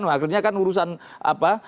akhirnya kan urusan apa